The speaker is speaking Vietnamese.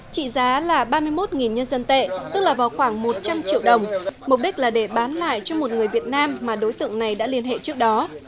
trị giá là ba mươi một nhân dân tệ tức là vào khoảng một trăm linh triệu đồng mục đích là để bán lại cho một người việt nam mà đối tượng này đã liên hệ trước đó